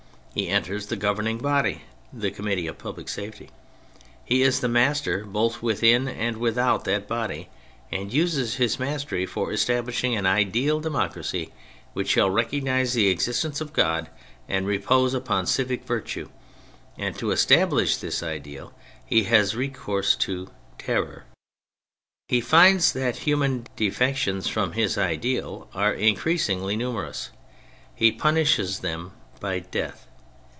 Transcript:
He enters the governing body (the Committee of Public Safety), he is the master both within and without that body, and uses his mastery for establishing an ideal democracy which shall recognise the existence of God and repose upon civic virtue; and to establish this ideal he has recourse to terror. He finds that human defections from his ideal are increasingly numerous : he punishes them by death.